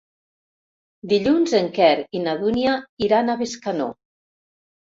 Dilluns en Quer i na Dúnia iran a Bescanó.